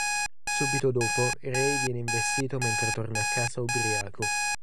Subito dopo, Ray viene investito mentre torna a casa ubriaco.